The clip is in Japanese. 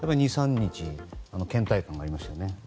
２３日倦怠感がありましたね。